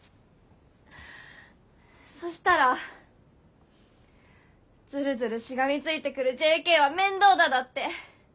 そしたら「ずるずるしがみついてくるＪＫは面倒だ」だって。